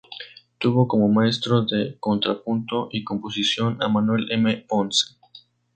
Tuvo como maestro de contrapunto y composición a Manuel M. Ponce.